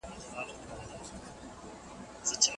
کلتور او اقتصاد له بل سره نږدې اړیکې لري.